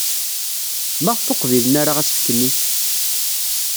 Maɣef ur qbilen ara asefk-nni?